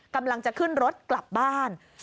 กำลังจะขึ้นรถกลับบ้าน